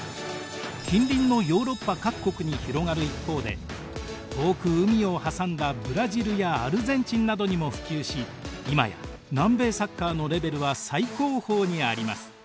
近隣のヨーロッパ各国に広がる一方で遠く海を挟んだブラジルやアルゼンチンなどにも普及し今や南米サッカーのレベルは最高峰にあります。